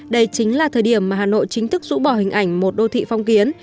đây chính là thời điểm mà hà nội chính thức rũ bỏ hình ảnh một đô thị phong kiến